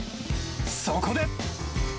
そこで。